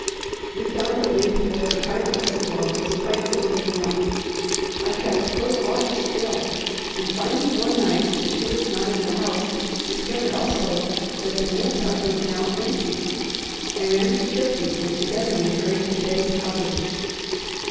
We found at length that her private reservoir was quite full of meal. I kept close watch still, and finding one night that she was not in the house, discovered also that the meal tub was now empty. I ran to Turkey, and together we hurried to Betty's cottage.